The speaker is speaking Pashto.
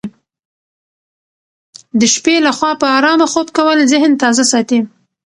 د شپې لخوا په ارامه خوب کول ذهن تازه ساتي.